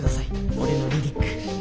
俺のリリック。